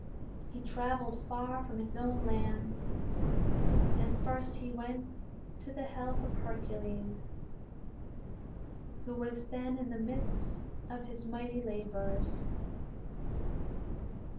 He traveled far from his own land, and first he went to the help of Heracles, who was then in the midst of his mighty labors.